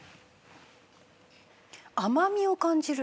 甘みを感じる。